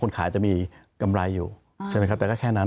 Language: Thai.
ขายจะมีกำไรอยู่ใช่ไหมครับแต่ก็แค่นั้น